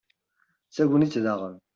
d tagnit daɣen